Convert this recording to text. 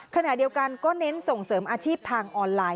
ขณะเดียวกันก็เน้นส่งเสริมอาชีพทางออนไลน